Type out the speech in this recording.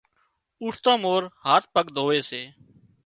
اُوٺتان مورِ هاٿ پڳ ڌووي سي۔